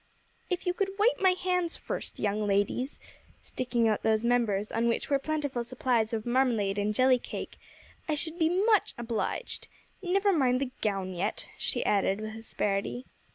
"If you could wipe my hands first, young ladies," sticking out those members, on which were plentiful supplies of marmalade and jelly cake, "I should be much obliged. Never mind the gown yet," she added with asperity.